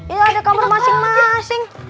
ini ada kamar masing masing